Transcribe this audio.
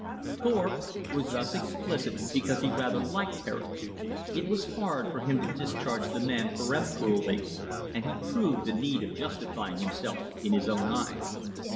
Thorpe was thus explicit because he rather liked Herrick. It was hard for him to discharge the man peremptorily, and he proved the need of justifying himself in his own eyes.